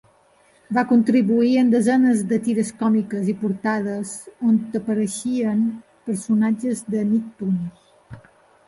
Va contribuir amb desenes de tires còmiques i portades on apareixien personatges de Nicktoons.